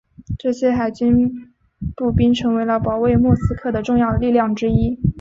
这些海军步兵成为了保卫莫斯科的重要力量之一。